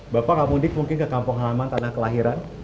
bapak nggak mudik mungkin ke kampung halaman tanah kelahiran